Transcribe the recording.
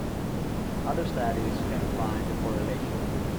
Other studies can't find a correlation.